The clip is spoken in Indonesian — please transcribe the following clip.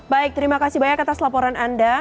baik terima kasih banyak atas laporan anda